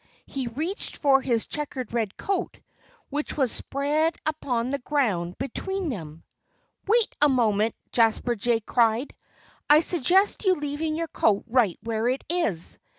He reached for his checkered red coat, which was spread upon the ground between them. "Wait a moment!" Jasper Jay cried. "I'd suggest your leaving your coat right where it is.